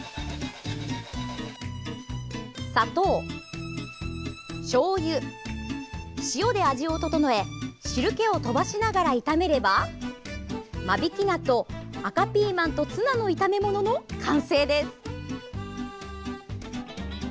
砂糖、しょうゆ、塩で味を調え汁けをとばしながら炒めれば間引き菜と赤ピーマンとツナの炒め物の完成です。